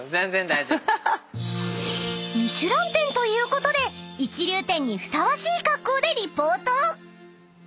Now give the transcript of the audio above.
［ミシュラン店ということで一流店にふさわしい格好でリポート］